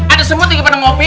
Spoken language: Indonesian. ada semut lagi pada ngopi